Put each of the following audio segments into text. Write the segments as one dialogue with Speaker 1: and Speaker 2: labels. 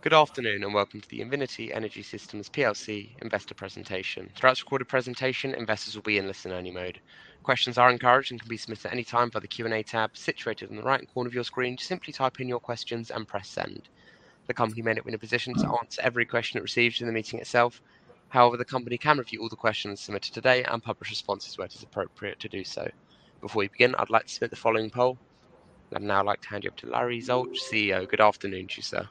Speaker 1: Good afternoon, and welcome to the Invinity Energy Systems plc investor presentation. Throughout this recorded presentation, investors will be in listen only mode. Questions are encouraged and can be submitted any time via the Q&A tab situated in the right corner of your screen. Just simply type in your questions and press send. The company may not be in a position to answer every question it receives during the meeting itself. However, the company can review all the questions submitted today and publish responses where it is appropriate to do so. Before we begin, I'd like to submit the following poll. I'd now like to hand you up to Larry Zulch, CEO. Good afternoon to you, sir.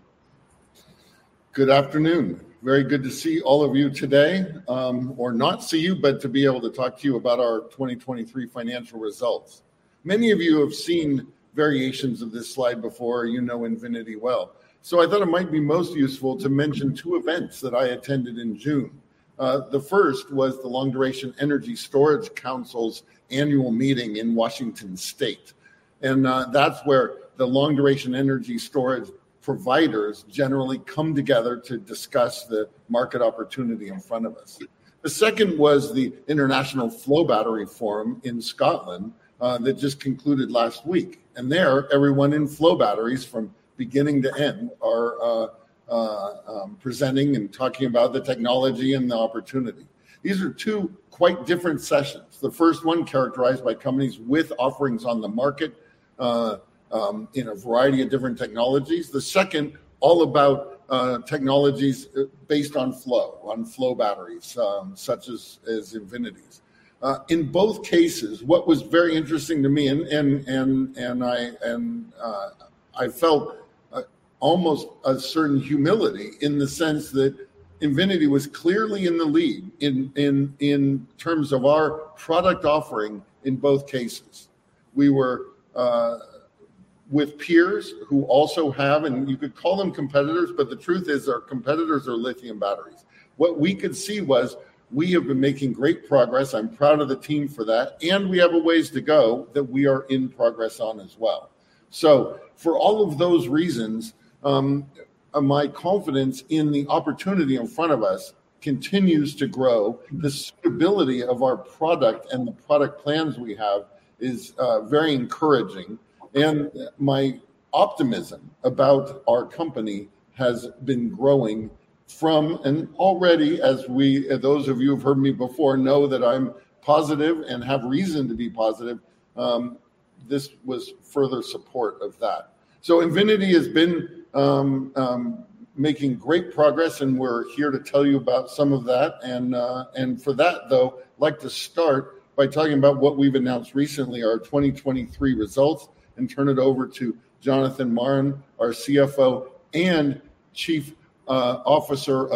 Speaker 2: Good afternoon. Very good to see all of you today, or not see you, but to be able to talk to you about our 2023 financial results. Many of you have seen variations of this slide before. You know Invinity well. I thought it might be most useful to mention two events that I attended in June. The first was the Long Duration Energy Storage Council's annual meeting in Washington State, and that's where the long duration energy storage providers generally come together to discuss the market opportunity in front of us. The second was the International Flow Battery Forum in Scotland, that just concluded last week. There, everyone in flow batteries from beginning to end are presenting and talking about the technology and the opportunity. These are two quite different sessions. The first one characterized by companies with offerings on the market in a variety of different technologies. The second all about technologies based on flow, on flow batteries, such as Invinity's. In both cases, what was very interesting to me, and I felt almost a certain humility in the sense that Invinity was clearly in the lead in terms of our product offering in both cases. We were with peers who also have, and you could call them competitors, but the truth is our competitors are lithium batteries. What we could see was we have been making great progress, I'm proud of the team for that, and we have a ways to go that we are in progress on as well. For all of those reasons, my confidence in the opportunity in front of us continues to grow. The suitability of our product and the product plans we have is very encouraging. My optimism about our company has been growing from, and already as we, those of you who've heard me before, know that I'm positive and have reason to be positive, this was further support of that. Invinity has been making great progress, and we're here to tell you about some of that. For that though, like to start by talking about what we've announced recently, our 2023 results, and turn it over to Jonathan Marren, our CFO and Chief Development Officer,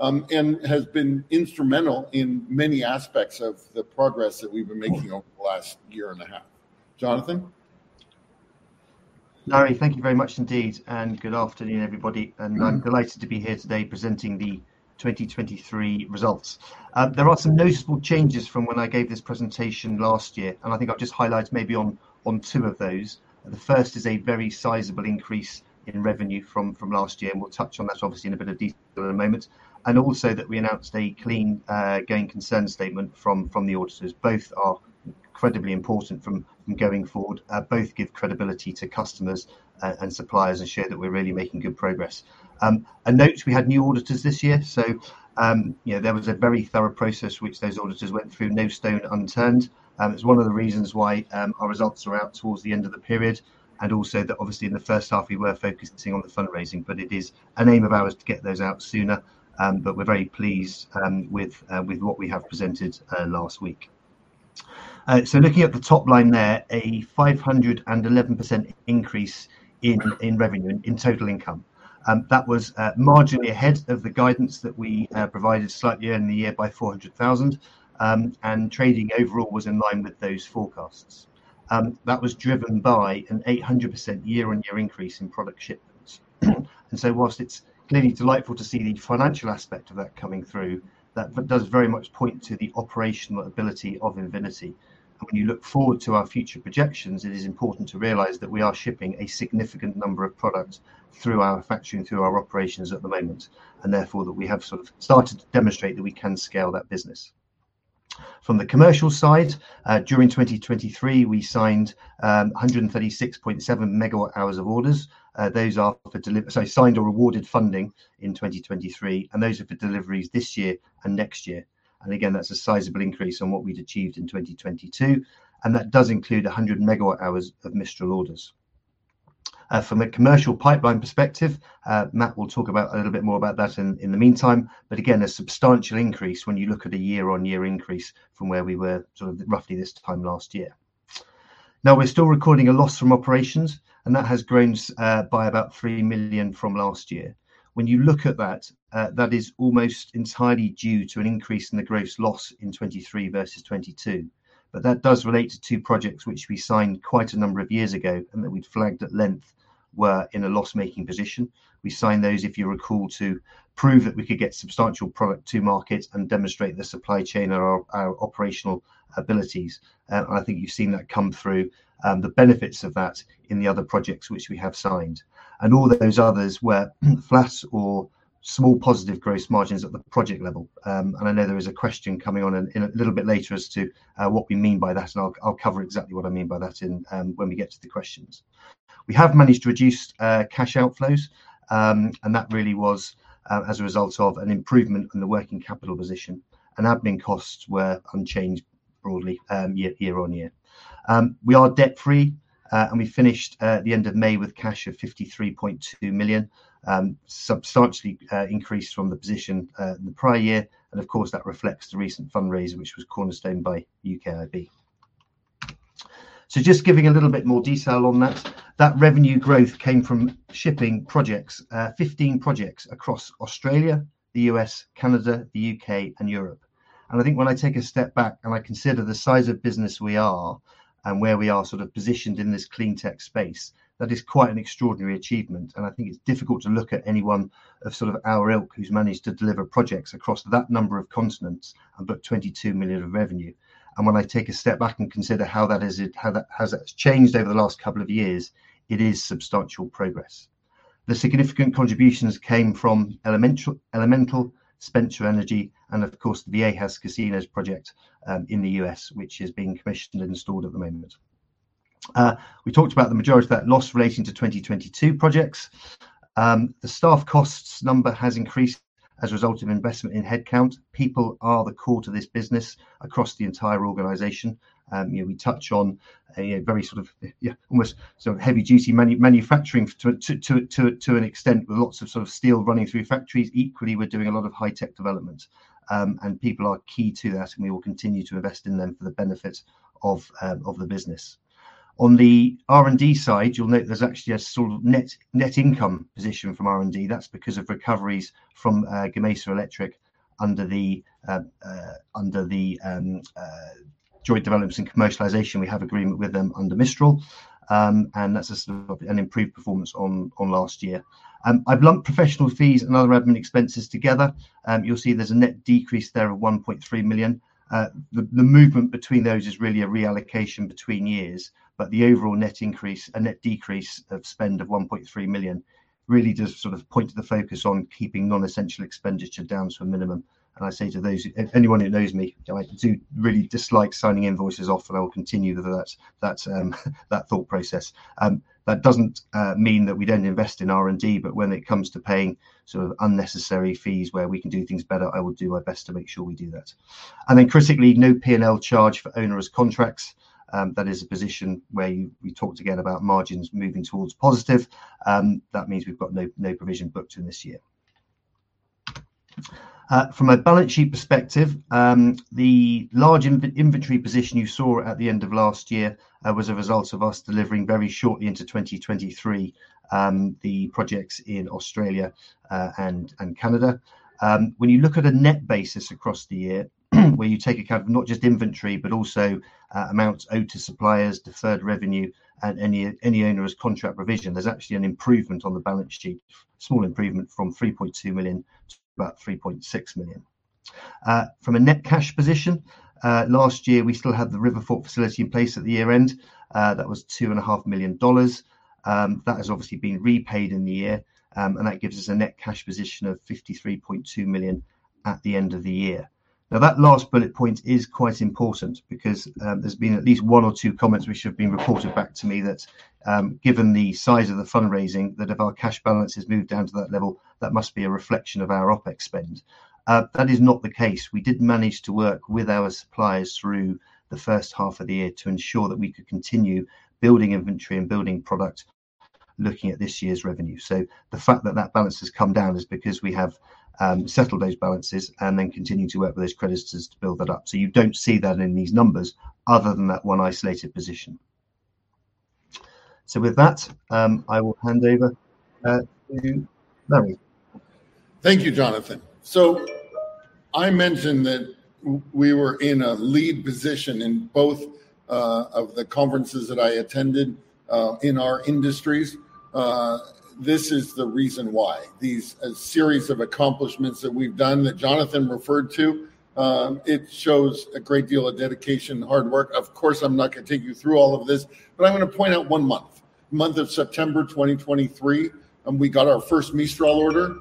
Speaker 2: and has been instrumental in many aspects of the progress that we've been making over the last year and a half. Jonathan?
Speaker 3: Larry, thank you very much indeed, good afternoon, everybody. I'm delighted to be here today presenting the 2023 results. There are some noticeable changes from when I gave this presentation last year. I'll just highlight maybe on two of those. The first is a very sizable increase in revenue from last year. We'll touch on that obviously in a bit of detail in a moment. Also, we announced a clean going concern statement from the auditors. Both are incredibly important from going forward. Both give credibility to customers and suppliers and show that we're really making good progress. A note, we had new auditors this year, so there was a very thorough process which those auditors went through, no stone unturned. It's one of the reasons why our results are out towards the end of the period. Also, obviously in the first half we were focusing on the fundraising, it is an aim of ours to get those out sooner. We're very pleased with what we have presented last week. Looking at the top line there, a 511% increase in revenue, in total income. That was marginally ahead of the guidance that we provided slightly earlier in the year by 400,000. Trading overall was in line with those forecasts. That was driven by an 800% year-over-year increase in product shipments. Whilst it's clearly delightful to see the financial aspect of that coming through, that does very much point to the operational ability of Invinity. When you look forward to our future projections, it is important to realize that we are shipping a significant number of product through our manufacturing, through our operations at the moment, therefore that we have sort of started to demonstrate that we can scale that business. From the commercial side, during 2023, we signed 136.7 MWh of orders. Sorry, signed or awarded funding in 2023. Those are for deliveries this year and next year. Again, that's a sizable increase on what we'd achieved in 2022. That does include 100 MWh of Mistral orders. From a commercial pipeline perspective, Matt will talk a little bit more about that in the meantime, again, a substantial increase when you look at a year-over-year increase from where we were sort of roughly this time last year. Now we're still recording a loss from operations. That has grown by about 3 million from last year. When you look at that is almost entirely due to an increase in the gross loss in 2023 versus 2022. That does relate to two projects which we signed quite a number of years ago that we'd flagged at length were in a loss-making position. We signed those, if you recall, to prove that we could get substantial product to market and demonstrate the supply chain and our operational abilities. I think you've seen that come through, the benefits of that in the other projects which we have signed. All of those others were flats or small positive gross margins at the project level. I know there is a question coming on a little bit later as to what we mean by that, I'll cover exactly what I mean by that when we get to the questions. We have managed to reduce cash outflows, that really was as a result of an improvement in the working capital position. Admin costs were unchanged broadly, year-over-year. We are debt-free, we finished the end of May with cash of 53.2 million, substantially increased from the position in the prior year, of course that reflects the recent fundraiser, which was cornerstoned by UKIB. Just giving a little bit more detail on that. That revenue growth came from shipping projects, 15 projects across Australia, the U.S., Canada, the U.K. and Europe. I think when I take a step back I consider the size of business we are, where we are positioned in this clean tech space, that is quite an extraordinary achievement, I think it's difficult to look at anyone of our ilk who's managed to deliver projects across that number of continents and put 22 million of revenue. When I take a step back and consider how that has changed over the last couple of years, it is substantial progress. The significant contributions came from Elemental, Spencer Energy and of course, the Viejas Casino's project in the U.S., which is being commissioned and installed at the moment. We talked about the majority of that loss relating to 2022 projects. The staff costs number has increased as a result of investment in headcount. People are the core to this business across the entire organization. We touch on a very sort of, almost heavy duty manufacturing to an extent with lots of steel running through factories. Equally, we're doing a lot of high tech development. People are key to that, we will continue to invest in them for the benefit of the business. On the R&D side, you'll note there's actually a net income position from R&D. That's because of recoveries from Gamesa Electric under the joint developments and commercialization. We have agreement with them under Mistral. That's an improved performance on last year. I've lumped professional fees and other admin expenses together. You'll see there's a net decrease there of 1.3 million. The movement between those is really a reallocation between years, but the overall net decrease of spend of 1.3 million really does point the focus on keeping non-essential expenditure down to a minimum. I say to those, anyone who knows me, I do really dislike signing invoices off, I will continue with that thought process. That doesn't mean that we don't invest in R&D, but when it comes to paying unnecessary fees where we can do things better, I will do my best to make sure we do that. Then critically, no P&L charge for onerous contracts. That is a position where we talked again about margins moving towards positive. That means we've got no provision booked in this year. From a balance sheet perspective, the large inventory position you saw at the end of last year was a result of us delivering very shortly into 2023, the projects in Australia and Canada. When you look at a net basis across the year where you take account of not just inventory, but also amounts owed to suppliers, deferred revenue and any onerous contract provision, there's actually an improvement on the balance sheet. A small improvement from 3.2 million to about 3.6 million. From a net cash position, last year we still had the Riverfort facility in place at the year-end. That was $2.5 million. That has obviously been repaid in the year, and that gives us a net cash position of 53.2 million at the end of the year. That last bullet point is quite important because there's been at least one or two comments which have been reported back to me that given the size of the fundraising, that if our cash balance has moved down to that level, that must be a reflection of our OpEx spend. That is not the case. We did manage to work with our suppliers through the first half of the year to ensure that we could continue building inventory and building product looking at this year's revenue. The fact that that balance has come down is because we have settled those balances and then continued to work with those creditors to build that up. You don't see that in these numbers other than that one isolated position. With that, I will hand over to Larry.
Speaker 2: Thank you, Jonathan. I mentioned that we were in a lead position in both of the conferences that I attended in our industries. This is the reason why. These series of accomplishments that we've done that Jonathan referred to, it shows a great deal of dedication and hard work. Of course, I'm not going to take you through all of this, but I'm going to point out one month. The month of September 2023, we got our first Mistral order.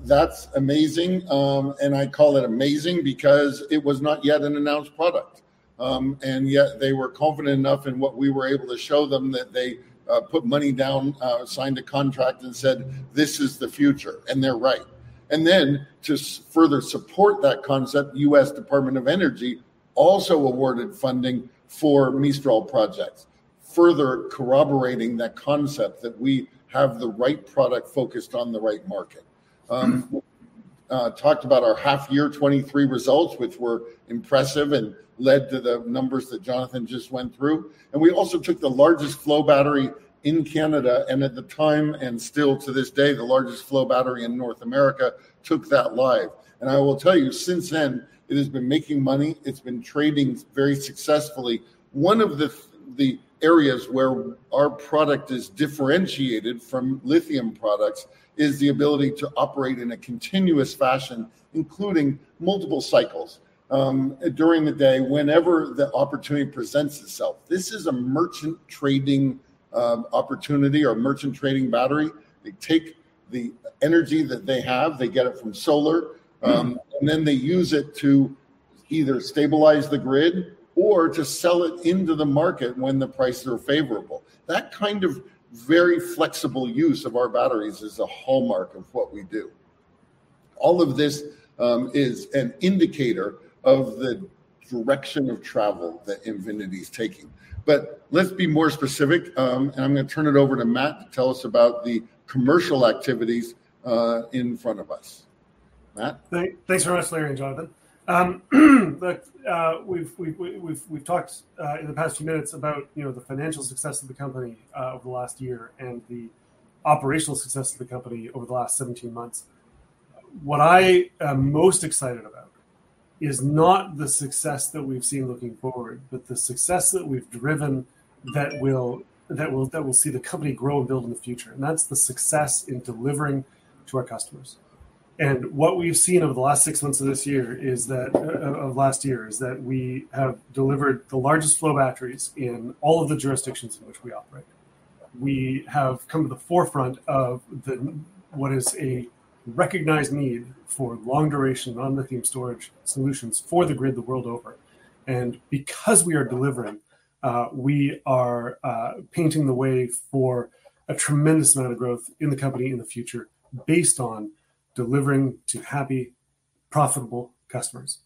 Speaker 2: That's amazing, and I call it amazing because it was not yet an announced product. Yet they were confident enough in what we were able to show them that they put money down, signed a contract and said, "This is the future." They're right. To further support that concept, U.S. Department of Energy also awarded funding for Mistral projects, further corroborating that concept that we have the right product focused on the right market. Talked about our half year 2023 results, which were impressive and led to the numbers that Jonathan just went through. We also took the largest flow battery in Canada, and at the time, and still to this day, the largest flow battery in North America, took that live. I will tell you, since then, it has been making money. It's been trading very successfully. One of the areas where our product is differentiated from lithium products is the ability to operate in a continuous fashion, including multiple cycles during the day, whenever the opportunity presents itself. This is a merchant trading opportunity or merchant trading battery. They take the energy that they have, they get it from solar, then they use it to either stabilize the grid or to sell it into the market when the prices are favorable. That kind of very flexible use of our batteries is a hallmark of what we do. All of this is an indicator of the direction of travel that Invinity's taking. Let's be more specific, and I'm going to turn it over to Matt to tell us about the commercial activities in front of us. Matt?
Speaker 4: Thanks very much, Larry and Jonathan. Look, we've talked in the past few minutes about the financial success of the company over the last year and the operational success of the company over the last 17 months. What I am most excited about is not the success that we've seen looking forward, but the success that we've driven that will see the company grow and build in the future, and that's the success in delivering to our customers. What we've seen over the last six months of last year is that we have delivered the largest flow batteries in all of the jurisdictions in which we operate. We have come to the forefront of what is a recognized need for long-duration non-lithium storage solutions for the grid the world over. Because we are delivering, we are painting the way for a tremendous amount of growth in the company in the future based on delivering to happy, profitable customers.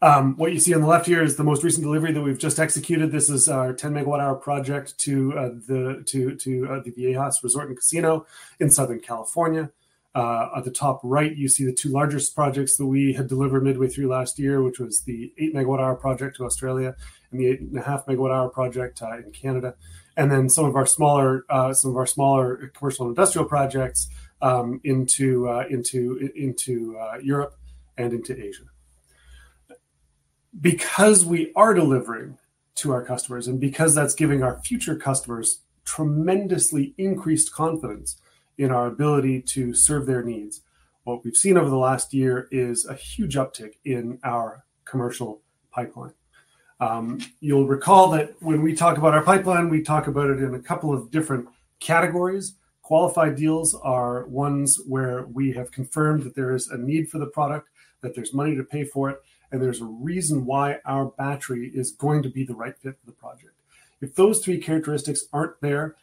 Speaker 4: What you see on the left here is the most recent delivery that we've just executed. This is our 10 MWh project to the Viejas Casino & Resort in Southern California. At the top right, you see the two largest projects that we had delivered midway through last year, which was the 8 MWh project to Australia and the 8.5 MWh project in Canada. Some of our smaller commercial and industrial projects into Europe and into Asia. Because we are delivering to our customers, because that's giving our future customers tremendously increased confidence in our ability to serve their needs, what we've seen over the last year is a huge uptick in our commercial pipeline. You'll recall that when we talk about our pipeline, we talk about it in a couple of different categories. Qualified deals are ones where we have confirmed that there is a need for the product, that there's money to pay for it, and there's a reason why our battery is going to be the right fit for the project. If those three characteristics aren't there,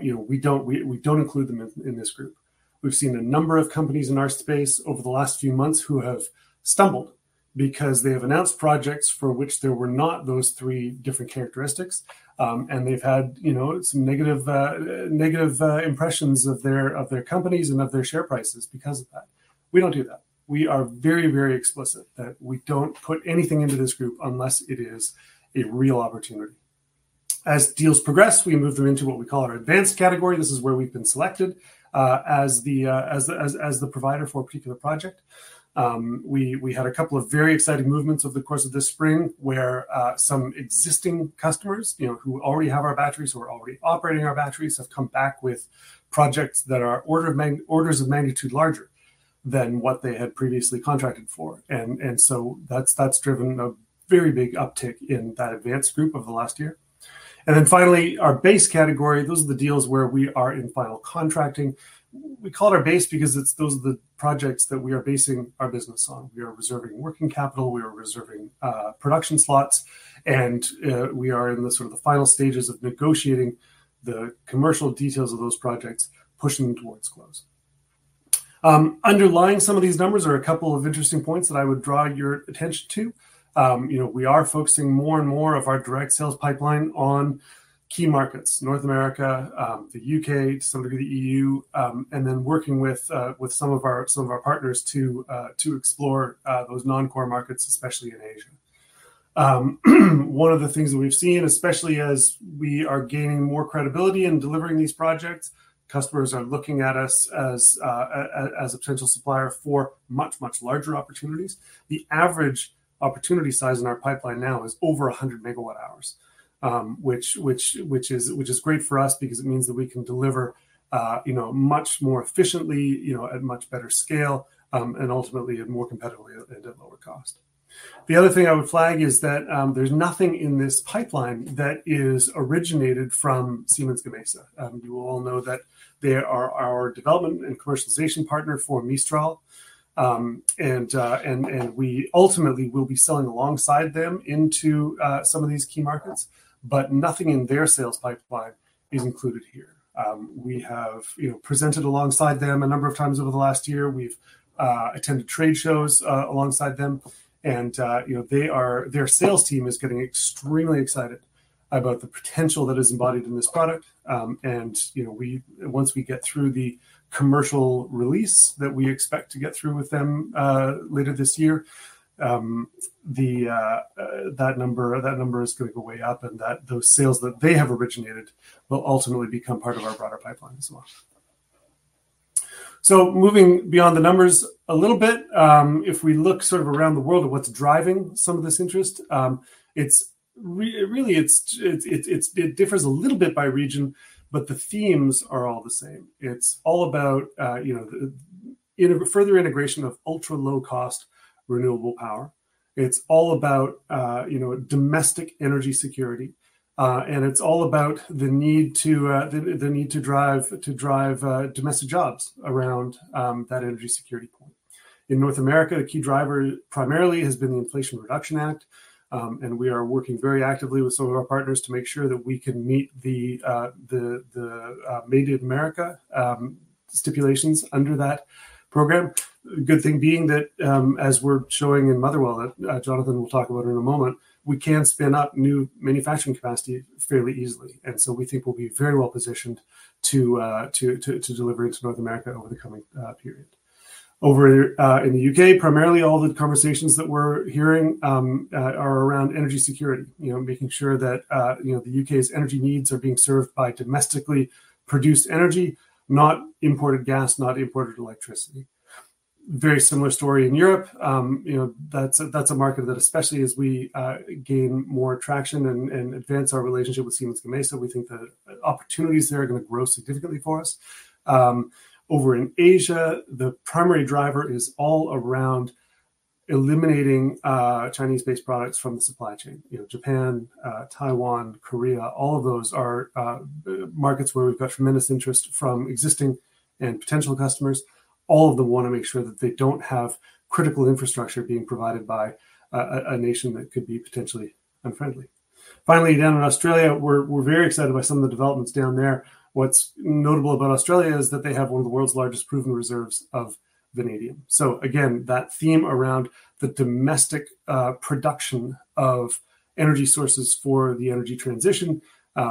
Speaker 4: we don't include them in this group. We've seen a number of companies in our space over the last few months who have stumbled because they have announced projects for which there were not those three different characteristics, and they've had some negative impressions of their companies and of their share prices because of that. We don't do that. We are very, very explicit that we don't put anything into this group unless it is a real opportunity. As deals progress, we move them into what we call our advanced category. This is where we've been selected as the provider for a particular project. We had a couple of very exciting movements over the course of this spring where some existing customers who already have our batteries, who are already operating our batteries, have come back with projects that are orders of magnitude larger than what they had previously contracted for. That's driven a very big uptick in that advanced group over the last year. Finally, our base category, those are the deals where we are in final contracting. We call it our base because those are the projects that we are basing our business on. We are reserving working capital, we are reserving production slots, we are in the final stages of negotiating the commercial details of those projects, pushing them towards close. Underlying some of these numbers are a couple of interesting points that I would draw your attention to. We are focusing more and more of our direct sales pipeline on key markets, North America, the U.K., to some degree the E.U., working with some of our partners to explore those non-core markets, especially in Asia. One of the things that we've seen, especially as we are gaining more credibility in delivering these projects, customers are looking at us as a potential supplier for much, much larger opportunities. The average opportunity size in our pipeline now is over 100 MWh. Which is great for us because it means that we can deliver much more efficiently, at much better scale, and ultimately more competitively and at lower cost. The other thing I would flag is that there's nothing in this pipeline that is originated from Siemens Gamesa. You all know that they are our development and commercialization partner for Mistral. We ultimately will be selling alongside them into some of these key markets, but nothing in their sales pipeline is included here. We have presented alongside them a number of times over the last year. We've attended trade shows alongside them. Their sales team is getting extremely excited about the potential that is embodied in this product. Once we get through the commercial release that we expect to get through with them later this year, that number is going to go way up and those sales that they have originated will ultimately become part of our broader pipeline as well. Moving beyond the numbers a little bit, if we look around the world at what's driving some of this interest, really it differs a little bit by region, but the themes are all the same. It's all about the further integration of ultra-low-cost renewable power. It's all about domestic energy security, it's all about the need to drive domestic jobs around that energy security point. In North America, a key driver primarily has been the Inflation Reduction Act, and we are working very actively with some of our partners to make sure that we can meet the Made in America stipulations under that program. Good thing being that, as we're showing in Motherwell, that Jonathan will talk about in a moment, we can spin up new manufacturing capacity fairly easily. We think we'll be very well-positioned to deliver into North America over the coming period. In the U.K., primarily all the conversations that we're hearing are around energy security, making sure that the U.K.'s energy needs are being served by domestically produced energy, not imported gas, not imported electricity. Very similar story in Europe. That's a market that, especially as we gain more traction and advance our relationship with Siemens Gamesa, we think the opportunities there are going to grow significantly for us. In Asia, the primary driver is all around eliminating Chinese-based products from the supply chain. Japan, Taiwan, Korea, all of those are markets where we've got tremendous interest from existing and potential customers. All of them want to make sure that they don't have critical infrastructure being provided by a nation that could be potentially unfriendly. Down in Australia, we're very excited by some of the developments down there. What's notable about Australia is that they have one of the world's largest proven reserves of vanadium. Again, that theme around the domestic production of energy sources for the energy transition,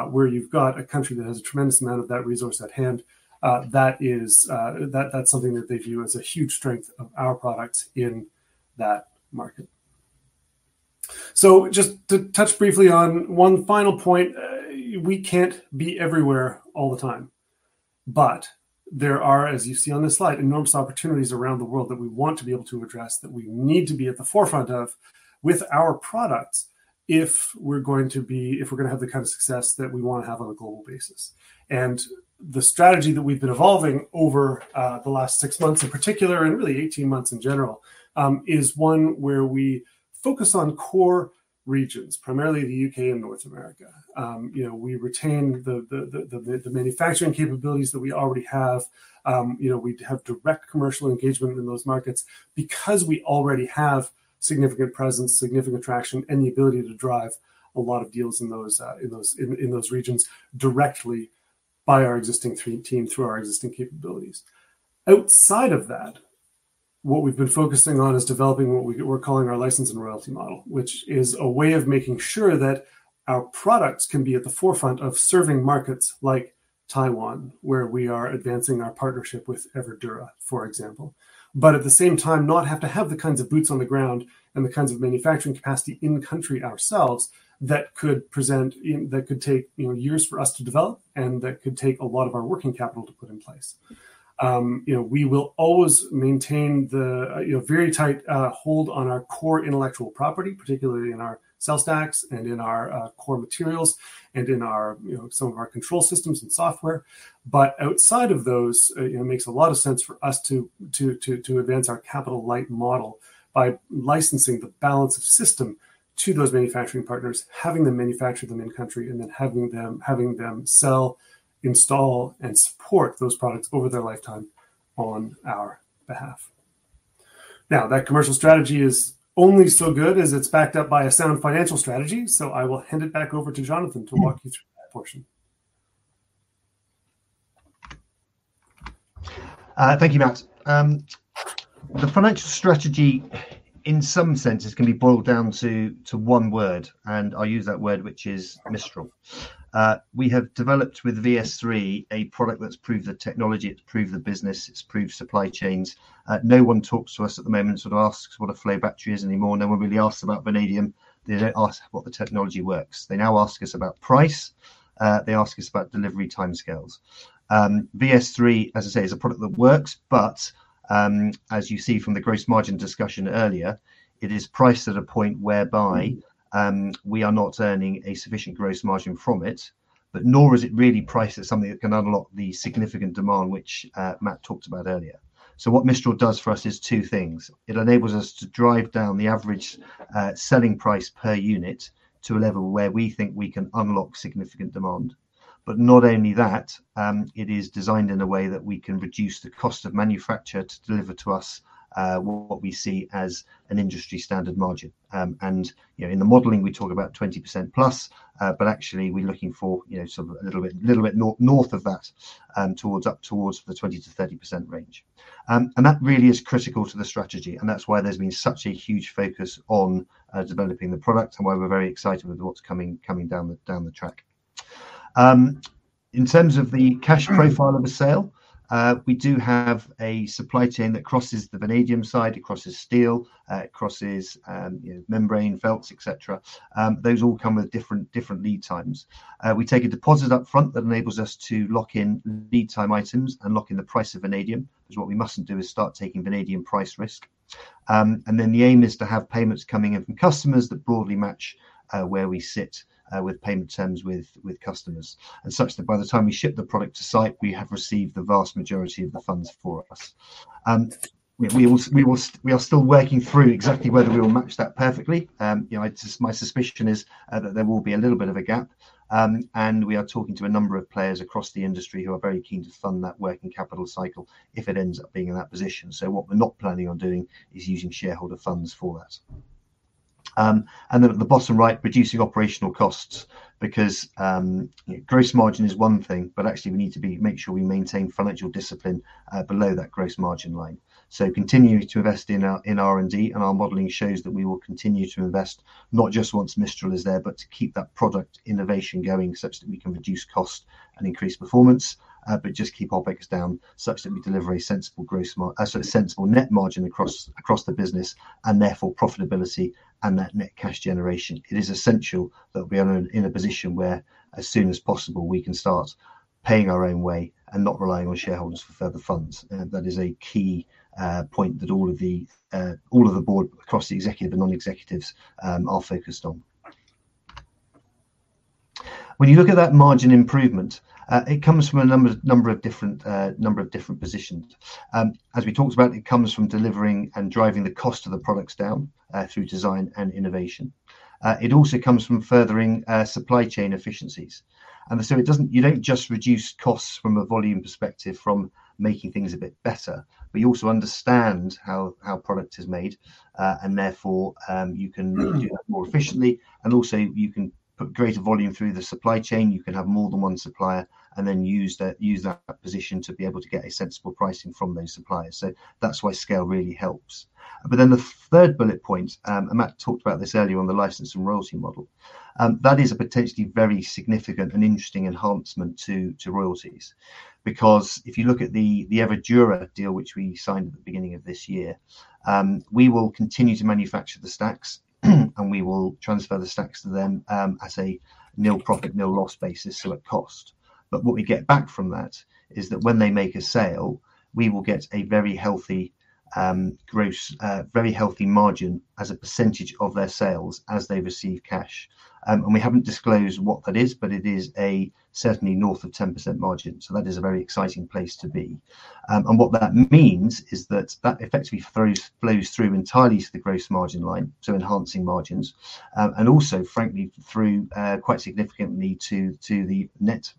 Speaker 4: where you've got a country that has a tremendous amount of that resource at hand, that's something that they view as a huge strength of our products in that market. Just to touch briefly on one final point, we can't be everywhere all the time. There are, as you see on this slide, enormous opportunities around the world that we want to be able to address, that we need to be at the forefront of with our products if we're going to have the kind of success that we want to have on a global basis. The strategy that we've been evolving over the last 6 months in particular, and really 18 months in general, is one where we focus on core regions, primarily the U.K. and North America. We retain the manufacturing capabilities that we already have. We have direct commercial engagement in those markets because we already have significant presence, significant traction, and the ability to drive a lot of deals in those regions directly by our existing team, through our existing capabilities. Outside of that, what we've been focusing on is developing what we're calling our license and royalty model, which is a way of making sure that our products can be at the forefront of serving markets like Taiwan, where we are advancing our partnership with Everdura, for example. At the same time, not have to have the kinds of boots on the ground and the kinds of manufacturing capacity in-country ourselves that could take years for us to develop and that could take a lot of our working capital to put in place. We will always maintain the very tight hold on our core intellectual property, particularly in our cell stacks and in our core materials and in some of our control systems and software. Outside of those, it makes a lot of sense for us to advance our capital-light model by licensing the balance of system to those manufacturing partners, having them manufacture them in country, and then having them sell, install, and support those products over their lifetime on our behalf. That commercial strategy is only so good as it's backed up by a sound financial strategy, so I will hand it back over to Jonathan to walk you through that portion.
Speaker 3: Thank you, Matt. The financial strategy, in some senses, can be boiled down to one word, and I use that word, which is Mistral. We have developed with VS3, a product that's proved the technology, it's proved the business, it's proved supply chains. No one talks to us at the moment, sort of asks what a flow battery is anymore. No one really asks about vanadium. They don't ask what the technology works. They now ask us about price. They ask us about delivery timescales. VS3, as I say, is a product that works, but, as you see from the gross margin discussion earlier, it is priced at a point whereby we are not earning a sufficient gross margin from it, but nor is it really priced at something that can unlock the significant demand which Matt talked about earlier. What Mistral does for us is two things. It enables us to drive down the average selling price per unit to a level where we think we can unlock significant demand. Not only that, it is designed in a way that we can reduce the cost of manufacture to deliver to us what we see as an industry-standard margin. In the modeling, we talk about 20% plus, but actually we're looking for sort of a little bit north of that, up towards the 20%-30% range. That really is critical to the strategy, and that's why there's been such a huge focus on developing the product and why we're very excited with what's coming down the track. In terms of the cash profile of a sale, we do have a supply chain that crosses the vanadium side, it crosses steel, it crosses membrane felts, et cetera. Those all come with different lead times. We take a deposit up front that enables us to lock in lead time items and lock in the price of vanadium, because what we mustn't do is start taking vanadium price risk. The aim is to have payments coming in from customers that broadly match where we sit with payment terms with customers, and such that by the time we ship the product to site, we have received the vast majority of the funds for us. We are still working through exactly whether we will match that perfectly. My suspicion is that there will be a little bit of a gap, and we are talking to a number of players across the industry who are very keen to fund that working capital cycle if it ends up being in that position. What we're not planning on doing is using shareholder funds for that. At the bottom right, reducing operational costs, because gross margin is one thing, we need to make sure we maintain financial discipline below that gross margin line. Continuing to invest in R&D, our modeling shows that we will continue to invest not just once Mistral is there, to keep that product innovation going such that we can reduce cost and increase performance, just keep our OpEx down such that we deliver a sensible net margin across the business, and therefore profitability and net cash generation. It is essential that we are in a position where as soon as possible, we can start paying our own way and not relying on shareholders for further funds. That is a key point that all of the board, across the executive and non-executives, are focused on. When you look at that margin improvement, it comes from a number of different positions. As we talked about, it comes from delivering and driving the cost of the products down through design and innovation. It also comes from furthering supply chain efficiencies. You don't just reduce costs from a volume perspective from making things a bit better, you also understand how a product is made, and therefore you can do that more efficiently and also you can put greater volume through the supply chain. You can have more than one supplier and then use that position to be able to get a sensible pricing from those suppliers. That's why scale really helps. The third bullet point, Matt talked about this earlier on the license and royalty model. That is a potentially very significant and interesting enhancement to royalties. If you look at the Everdura deal, which we signed at the beginning of this year, we will continue to manufacture the stacks and we will transfer the stacks to them as a nil profit, nil loss basis, so at cost. What we get back from that is that when they make a sale, we will get a very healthy margin as a percentage of their sales as they receive cash. We haven't disclosed what that is, but it is certainly north of 10% margin. That is a very exciting place to be. What that means is that that effectively flows through entirely to the gross margin line, so enhancing margins. Also frankly through quite significantly to the net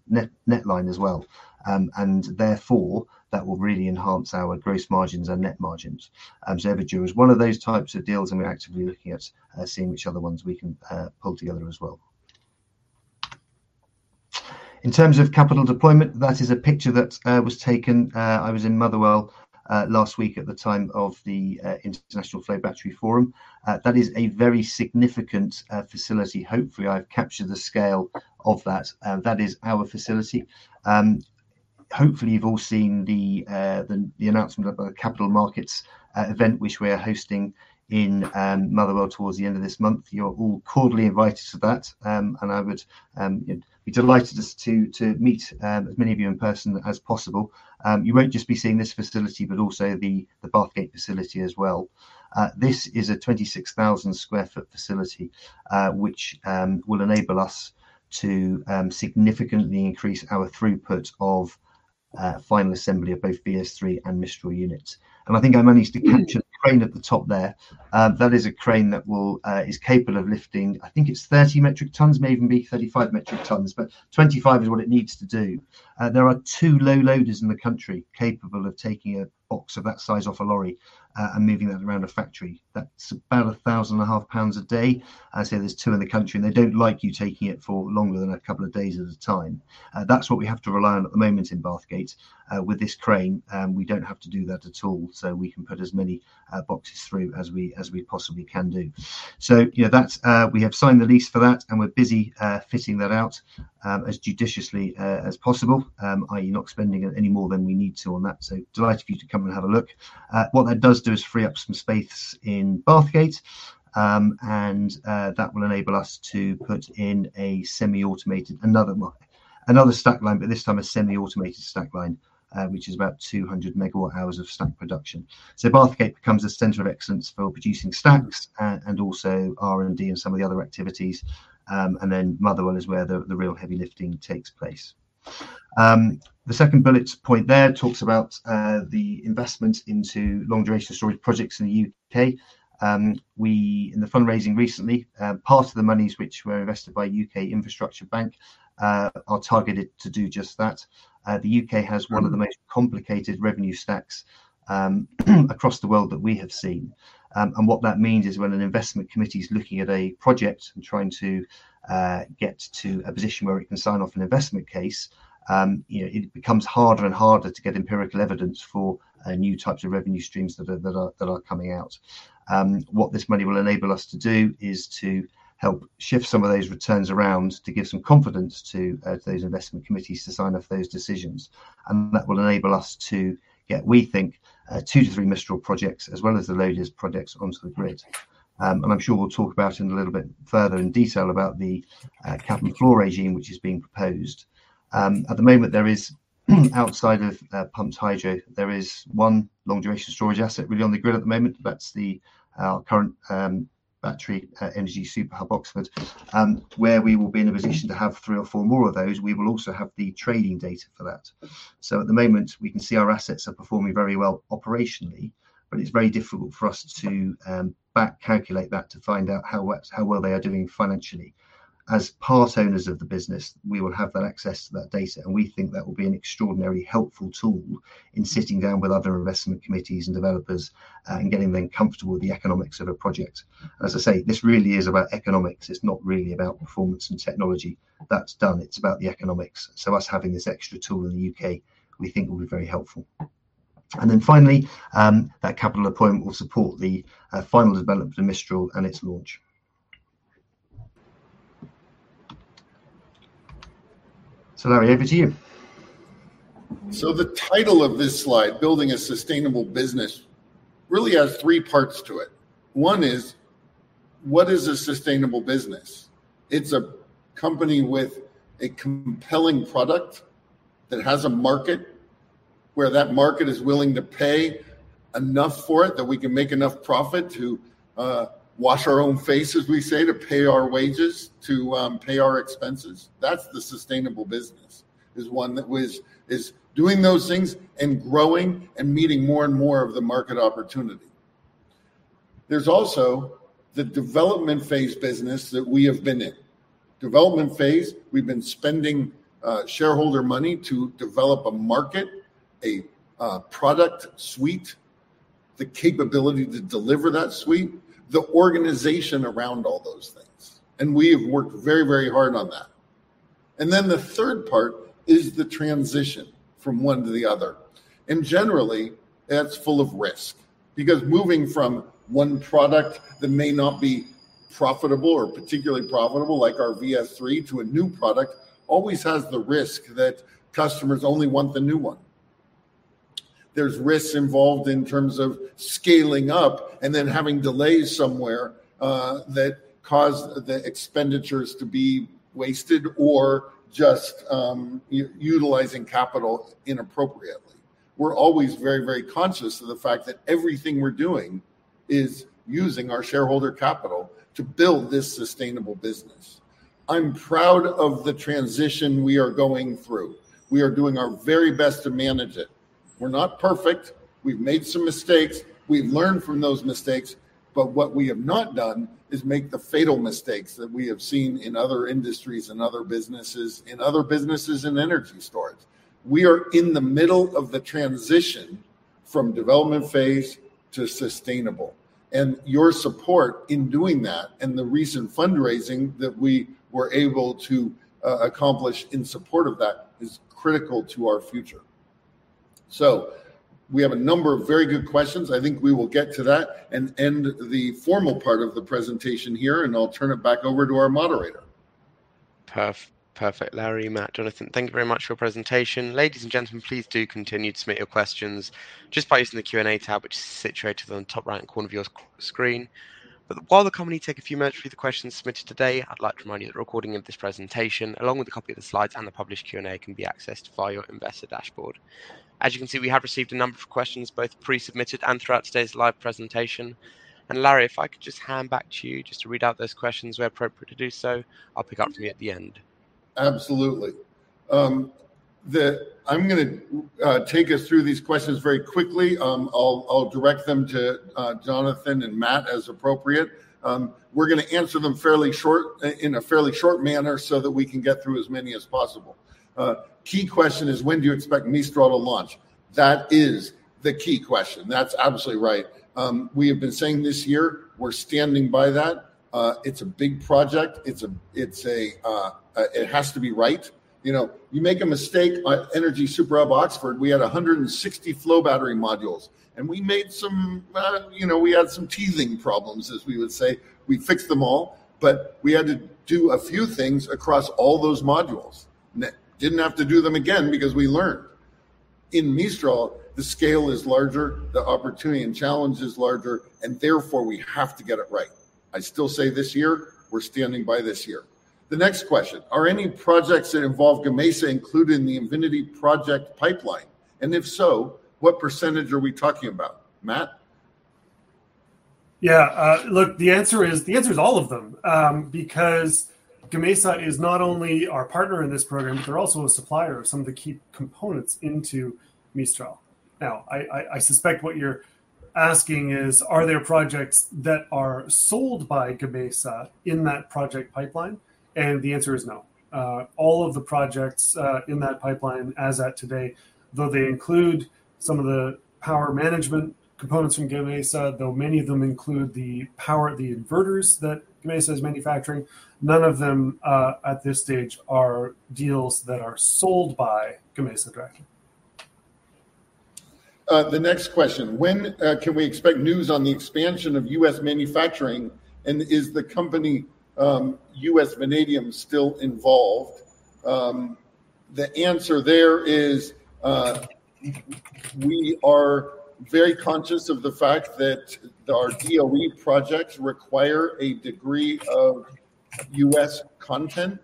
Speaker 3: line as well. Therefore that will really enhance our gross margins and net margins. Everdura is one of those types of deals, we're actively looking at seeing which other ones we can pull together as well. In terms of capital deployment, that is a picture that was taken. I was in Motherwell last week at the time of the International Flow Battery Forum. That is a very significant facility. Hopefully, I've captured the scale of that. That is our facility. Hopefully, you've all seen the announcement about the capital markets event, which we are hosting in Motherwell towards the end of this month. You're all cordially invited to that, I would be delighted to meet as many of you in person as possible. You won't just be seeing this facility, but also the Bathgate facility as well. This is a 26,000 square foot facility, which will enable us to significantly increase our throughput of final assembly of both VS3 and Mistral units. I think I managed to capture the crane at the top there. That is a crane that is capable of lifting, I think it is 30 metric tons, may even be 35 metric tons, but 25 is what it needs to do. There are two low loaders in the country capable of taking a box of that size off a lorry, and moving that around a factory. That is about 1,000 and a half a day. As I say, there are two in the country, and they do not like you taking it for longer than a couple of days at a time. That is what we have to rely on at the moment in Bathgate. With this crane, we do not have to do that at all. We can put as many boxes through as we possibly can do. We have signed the lease for that, and we are busy fitting that out as judiciously as possible, i.e. not spending any more than we need to on that. Delighted for you to come and have a look. What that does do is free up some space in Bathgate, that will enable us to put in a semi-automated, another stack line, but this time a semi-automated stack line, which is about 200 MWh of stack production. Bathgate becomes a center of excellence for producing stacks, also R&D and some of the other activities. Motherwell is where the real heavy lifting takes place. The second bullet point there talks about the investment into long-duration storage projects in the U.K. In the fundraising recently, part of the monies which were invested by UK Infrastructure Bank are targeted to do just that. The U.K. has one of the most complicated revenue stacks across the world that we have seen. What that means is when an investment committee is looking at a project and trying to get to a position where it can sign off an investment case, it becomes harder and harder to get empirical evidence for new types of revenue streams that are coming out. What this money will enable us to do is to help shift some of those returns around to give some confidence to those investment committees to sign off those decisions. That will enable us to get, we think, 2-3 Mistral projects, as well as the largest projects onto the grid. I am sure we will talk about in a little bit further in detail about the cap and floor regime, which is being proposed. At the moment, there is outside of pumped hydro, there is one long-duration storage asset really on the grid at the moment. That is our current Energy Superhub Oxford, where we will be in a position to have three or four more of those. We will also have the trading data for that. At the moment, we can see our assets are performing very well operationally, but it is very difficult for us to back calculate that to find out how well they are doing financially. As part owners of the business, we will have that access to that data, and we think that will be an extraordinarily helpful tool in sitting down with other investment committees and developers, and getting them comfortable with the economics of a project. As I say, this really is about economics. It's not really about performance and technology. That's done. It's about the economics. Us having this extra tool in the U.K. we think will be very helpful. Finally, that capital appointment will support the final development of Mistral and its launch. Larry, over to you.
Speaker 2: The title of this slide, Building a Sustainable Business, really has three parts to it. One is: what is a sustainable business? It's a company with a compelling product that has a market, where that market is willing to pay enough for it that we can make enough profit to wash our own face, as we say, to pay our wages, to pay our expenses. That's the sustainable business, is one that is doing those things and growing and meeting more and more of the market opportunity. There's also the development phase business that we have been in. Development phase, we've been spending shareholder money to develop a market, a product suite, the capability to deliver that suite, the organization around all those things. We have worked very hard on that. The third part is the transition from one to the other. Generally, that's full of risk. Because moving from one product that may not be profitable or particularly profitable, like our VS3, to a new product, always has the risk that customers only want the new one. There's risks involved in terms of scaling up and then having delays somewhere that cause the expenditures to be wasted or just utilizing capital inappropriately. We're always very conscious of the fact that everything we're doing is using our shareholder capital to build this sustainable business. I'm proud of the transition we are going through. We are doing our very best to manage it. We're not perfect. We've made some mistakes. We've learned from those mistakes, but what we have not done is make the fatal mistakes that we have seen in other industries and other businesses, in other businesses in energy storage. We are in the middle of the transition from development phase to sustainable, your support in doing that, and the recent fundraising that we were able to accomplish in support of that is critical to our future. We have a number of very good questions. I think we will get to that and end the formal part of the presentation here, and I'll turn it back over to our moderator.
Speaker 1: Perfect. Larry, Matt, Jonathan, thank you very much for your presentation. Ladies and gentlemen, please do continue to submit your questions just by using the Q&A tab, which is situated on the top right-hand corner of your screen. While the company take a few moments to read the questions submitted today, I'd like to remind you that a recording of this presentation, along with a copy of the slides and the published Q&A can be accessed via your investor dashboard. As you can see, we have received a number of questions, both pre-submitted and throughout today's live presentation. Larry, if I could just hand back to you just to read out those questions where appropriate to do so, I'll pick up from you at the end.
Speaker 2: Absolutely. I'm going to take us through these questions very quickly. I'll direct them to Jonathan and Matt as appropriate. We're going to answer them in a fairly short manner so that we can get through as many as possible. Key question is when do you expect Mistral to launch? That is the key question. That's absolutely right. We have been saying this year, we're standing by that. It's a big project. It has to be right. You make a mistake. At Energy Superhub Oxford, we had 160 flow battery modules, and we had some teething problems, as we would say. We fixed them all, but we had to do a few things across all those modules. Didn't have to do them again because we learned. In Mistral, the scale is larger, the opportunity and challenge is larger, and therefore, we have to get it right. I still say this year, we're standing by this year. The next question, are any projects that involve Gamesa included in the Invinity project pipeline? If so, what percentage are we talking about? Matt?
Speaker 4: Yeah. Look, the answer is all of them. Because Gamesa is not only our partner in this program, but they're also a supplier of some of the key components into Mistral. Now, I suspect what you're asking is, are there projects that are sold by Gamesa in that project pipeline? The answer is no. All of the projects in that pipeline as at today, though they include some of the power management components from Gamesa, though many of them include the inverters that Gamesa is manufacturing, none of them at this stage are deals that are sold by Gamesa directly.
Speaker 2: The next question, when can we expect news on the expansion of U.S. manufacturing, and is the company U.S. Vanadium still involved? The answer there is we are very conscious of the fact that our DOE projects require a degree of U.S. content.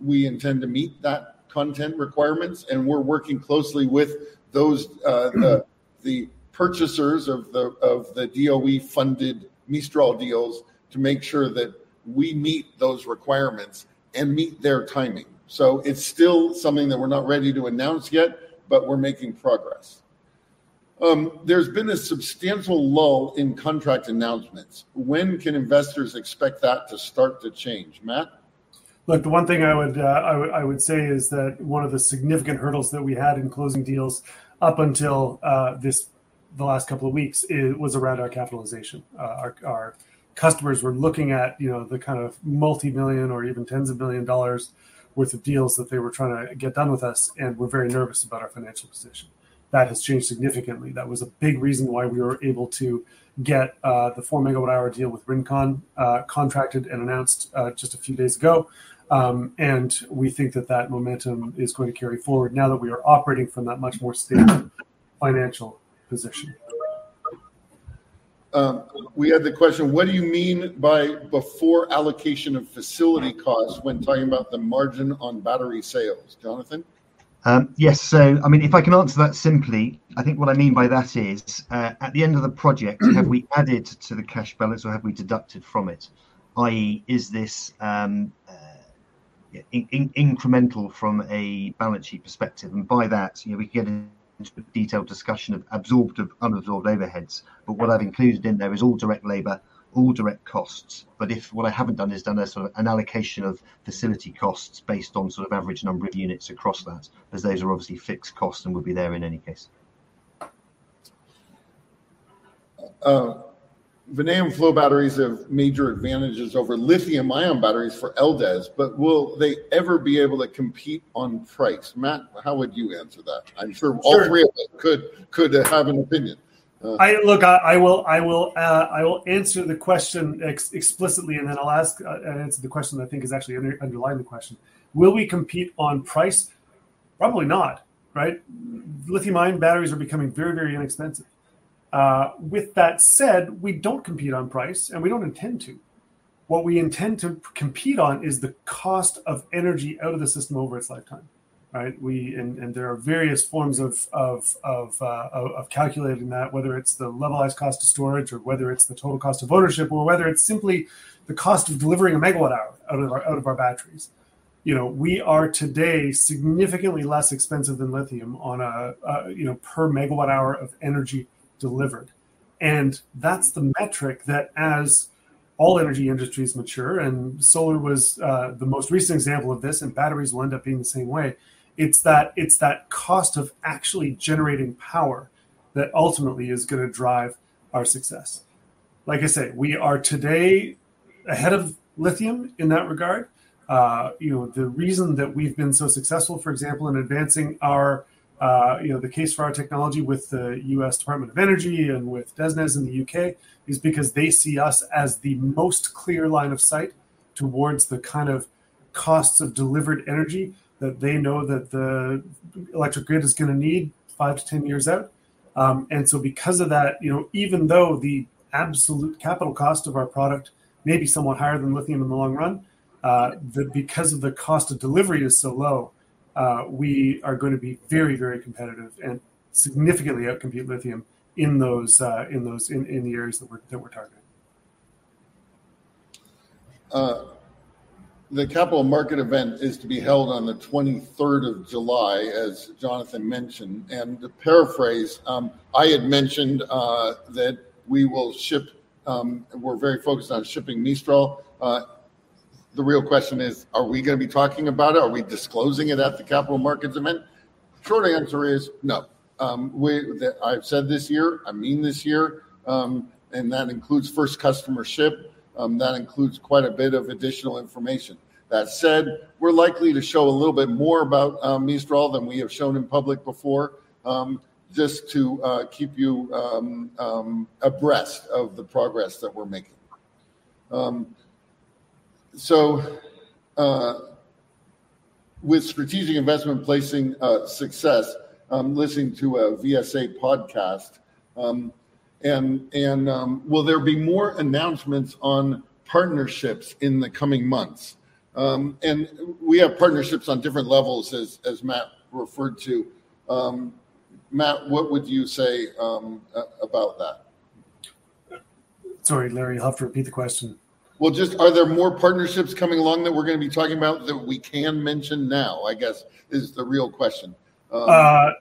Speaker 2: We intend to meet that content requirements, and we're working closely with the purchasers of the DOE-funded Mistral deals to make sure that we meet those requirements and meet their timing. It's still something that we're not ready to announce yet, but we're making progress. There's been a substantial lull in contract announcements. When can investors expect that to start to change? Matt?
Speaker 4: Look, the one thing I would say is that one of the significant hurdles that we had in closing deals up until The last couple of weeks, it was around our capitalization. Our customers were looking at the kind of multi-million or even tens of million GBP worth of deals that they were trying to get done with us and were very nervous about our financial position. That has changed significantly. That was a big reason why we were able to get the 4 MWh deal with Rincon contracted and announced just a few days ago. We think that that momentum is going to carry forward now that we are operating from that much more stable financial position.
Speaker 2: We had the question, what do you mean by before allocation of facility costs when talking about the margin on battery sales? Jonathan?
Speaker 3: Yes. If I can answer that simply, I think what I mean by that is at the end of the project have we added to the cash balance or have we deducted from it? I.e. is this incremental from a balance sheet perspective? By that, we could get into a detailed discussion of absorbed, unabsorbed overheads. What I've included in there is all direct labor, all direct costs. What I haven't done is done a sort of an allocation of facility costs based on sort of average number of units across that, as those are obviously fixed costs and would be there in any case.
Speaker 2: Vanadium flow batteries have major advantages over lithium-ion batteries for LDES, will they ever be able to compete on price? Matt, how would you answer that? I'm sure all three of you could have an opinion.
Speaker 4: Look, I will answer the question explicitly, then I'll ask and answer the question that I think is actually underlying the question. Will we compete on price? Probably not, right? Lithium-ion batteries are becoming very, very inexpensive. With that said, we don't compete on price, we don't intend to. What we intend to compete on is the cost of energy out of the system over its lifetime. Right? There are various forms of calculating that, whether it's the levelized cost of storage or whether it's the total cost of ownership, or whether it's simply the cost of delivering a megawatt hour out of our batteries. We are today significantly less expensive than lithium on a per megawatt hour of energy delivered. That's the metric that as all energy industries mature, solar was the most recent example of this, batteries will end up being the same way. It's that cost of actually generating power that ultimately is going to drive our success. Like I say, we are today ahead of lithium in that regard. The reason that we've been so successful, for example, in advancing the case for our technology with the U.S. Department of Energy and with DESNZ in the U.K. is because they see us as the most clear line of sight towards the kind of costs of delivered energy that they know that the electric grid is going to need 5-10 years out. Because of that, even though the absolute capital cost of our product may be somewhat higher than lithium in the long run, because of the cost of delivery is so low, we are going to be very, very competitive and significantly out-compete lithium in the areas that we're targeting.
Speaker 2: The capital market event is to be held on the 23rd of July, as Jonathan mentioned. To paraphrase, I had mentioned that we're very focused on shipping Mistral. The real question is, are we going to be talking about it? Are we disclosing it at the capital markets event? Short answer is no. I've said this year, I mean this year, and that includes first customer ship, that includes quite a bit of additional information. That said, we're likely to show a little bit more about Mistral than we have shown in public before, just to keep you abreast of the progress that we're making. With strategic investment placing success, listening to a VSA podcast, will there be more announcements on partnerships in the coming months? We have partnerships on different levels as Matt referred to. Matt, what would you say about that?
Speaker 4: Sorry, Larry, you'll have to repeat the question.
Speaker 2: Just are there more partnerships coming along that we're going to be talking about that we can mention now, I guess is the real question.
Speaker 4: No.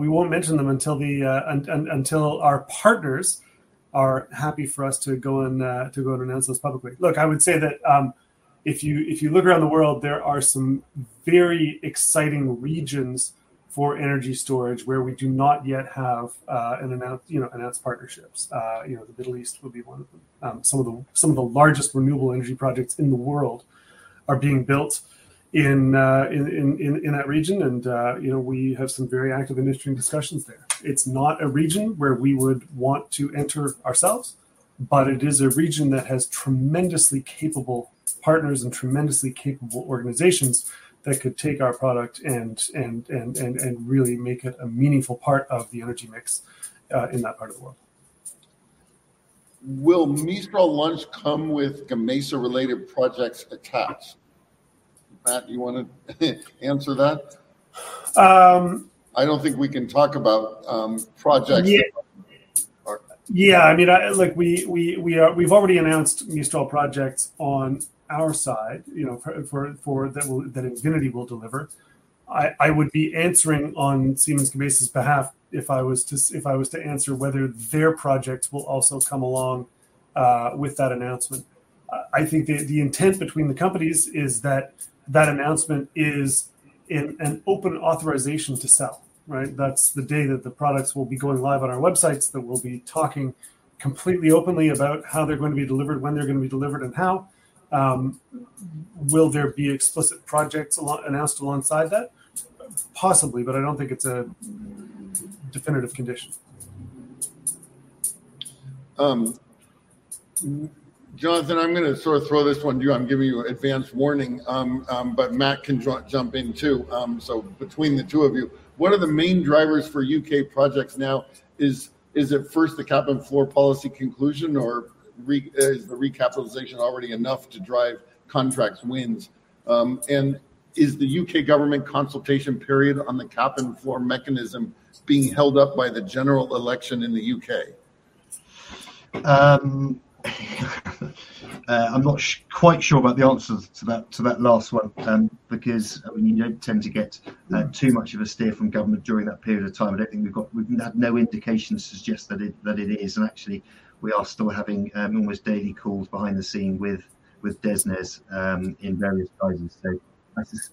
Speaker 4: We won't mention them until our partners are happy for us to go and announce those publicly. I would say that if you look around the world, there are some very exciting regions for energy storage where we do not yet have announced partnerships. The Middle East would be one of them. Some of the largest renewable energy projects in the world are being built in that region, we have some very active industry discussions there. It's not a region where we would want to enter ourselves, it is a region that has tremendously capable partners and tremendously capable organizations that could take our product and really make it a meaningful part of the energy mix in that part of the world.
Speaker 2: Will Mistral launch come with Gamesa-related projects attached? Matt, do you want to answer that? I don't think we can talk about projects.
Speaker 4: Yeah. We've already announced Mistral projects on our side that Invinity will deliver. I would be answering on Siemens Gamesa's behalf if I was to answer whether their projects will also come along with that announcement. I think the intent between the companies is that that announcement is an open authorization to sell. Right? That's the day that the products will be going live on our websites, that we'll be talking completely openly about how they're going to be delivered, when they're going to be delivered, and how. Will there be explicit projects announced alongside that? Possibly, but I don't think it's a definitive condition.
Speaker 2: Jonathan, I'm going to sort of throw this one to you. I'm giving you advanced warning, but Matt can jump in, too. Between the two of you, what are the main drivers for U.K. projects now? Is it first the cap and floor policy conclusion, or is the recapitalization already enough to drive contracts wins? Is the U.K. government consultation period on the cap and floor mechanism being held up by the general election in the U.K.?
Speaker 3: I'm not quite sure about the answer to that last one, because you don't tend to get too much of a steer from government during that period of time. We've had no indications to suggest that it is, and actually, we are still having almost daily calls behind the scene with DESNZ in various guises.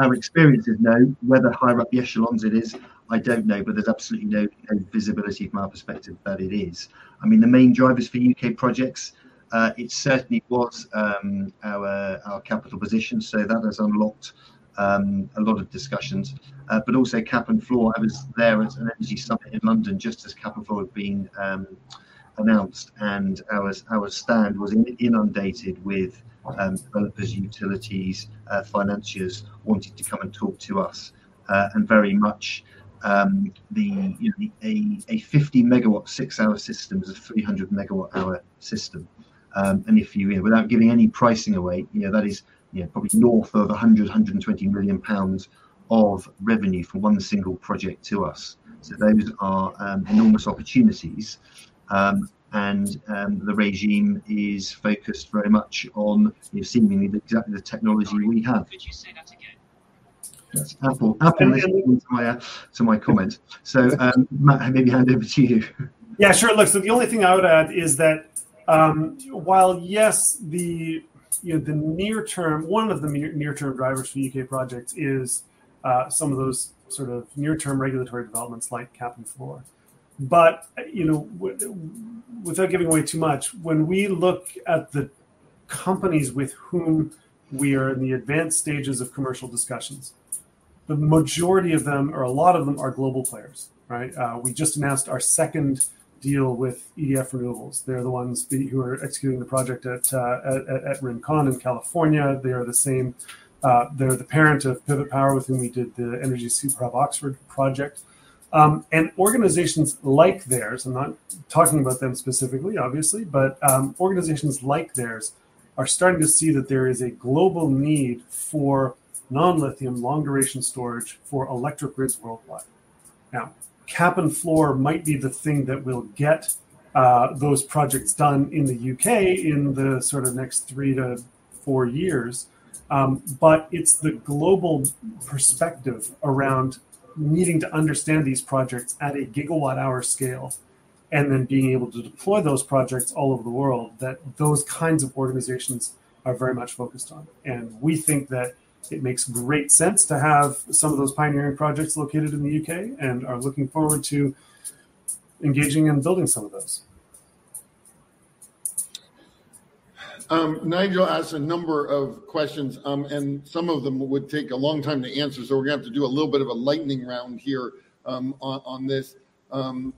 Speaker 3: Our experience is no. Whether higher up the echelons it is, I don't know, but there's absolutely no visibility from our perspective that it is. The main drivers for U.K. projects, it certainly was our capital position, that has unlocked a lot of discussions. Also cap and floor. I was there at an energy summit in London just as cap and floor had been announced, and our stand was inundated with developers, utilities, financiers wanting to come and talk to us. Very much, a 50 MW 6-hour system is a 300 MWh system. Without giving any pricing away, that is probably north of 100 million-120 million pounds of revenue from one single project to us. Those are enormous opportunities. The regime is focused very much on seemingly exactly the technology we have. Could you say that again? That's Apple listening to my comment. Matt, I maybe hand over to you.
Speaker 4: Sure. Look, the only thing I would add is that while yes, one of the near-term drivers for U.K. projects is some of those sort of near-term regulatory developments like cap and floor. Without giving away too much, when we look at the companies with whom we are in the advanced stages of commercial discussions, the majority of them, or a lot of them, are global players. Right? We just announced our second deal with EDF Renewables. They're the ones who are executing the project at Rincon in California. They're the parent of Pivot Power, with whom we did the Energy Superhub Oxford project. Organizations like theirs, I'm not talking about them specifically, obviously, but organizations like theirs are starting to see that there is a global need for non-lithium, long-duration storage for electric grids worldwide. Cap and floor might be the thing that will get those projects done in the U.K. in the sort of next 3 to 4 years, it's the global perspective around needing to understand these projects at a GWh scale and then being able to deploy those projects all over the world that those kinds of organizations are very much focused on. We think that it makes great sense to have some of those pioneering projects located in the U.K. and are looking forward to engaging and building some of those.
Speaker 2: Nigel asked a number of questions, some of them would take a long time to answer, we're going to have to do a little bit of a lightning round here on this.